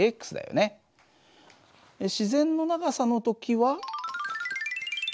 自然の長さの時は。